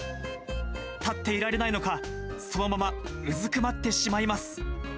立っていられないのか、そのままうずくまってしまいます。